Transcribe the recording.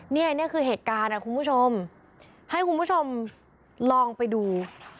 นี่คือเหตุการณ์คุณผู้ชมให้คุณผู้ชมลองไปดู